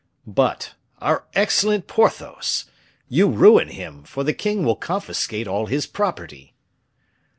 "But, our excellent Porthos! you ruin him, for the king will confiscate all his property."